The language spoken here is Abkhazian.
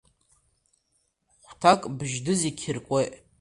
Хәҭак быжь-нызқь иркуеит.